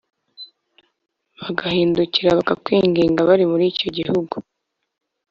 bagahindukira bakakwingingira bari muri icyo gihugu